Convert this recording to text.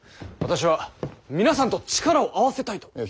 私は皆さんと力を合わせたいと。